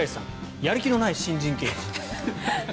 やる気のない新人刑事。